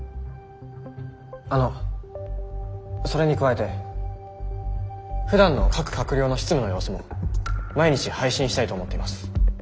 あのそれに加えてふだんの各官僚の執務の様子も毎日配信したいと思っています。